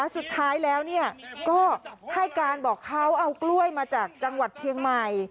สุดท้ายแล้วก็ให้การบอกเขาเอากล้วยมาจากจังหวัดเชียงใหม่